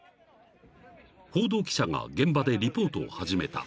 ［報道記者が現場でリポートを始めた］